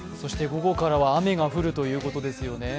午後からは雨が降るということですよね。